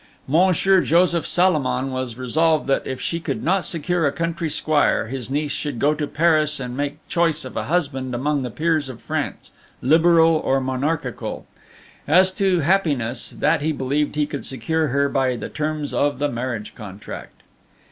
Monsieur Joseph Salomon was resolved that if she could not secure a country squire, his niece should go to Paris and make choice of a husband among the peers of France, liberal or monarchical; as to happiness, that he believed he could secure her by the terms of the marriage contract.